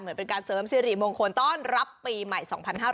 เหมือนเป็นการเสริมสิริมงคลต้อนรับปีใหม่